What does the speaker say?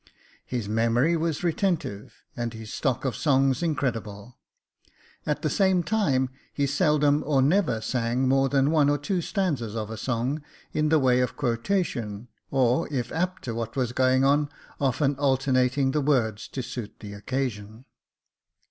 His memory was retentive, and his stock of songs incredible ; at the same time, he seldom or never sang more than one or two stanzas of a song in the way of quotation, or if apt to what was going on, often alter ing the words to suit the occasion.